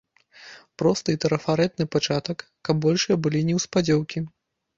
Просты і трафарэтны пачатак, каб большыя былі неўспадзеўкі.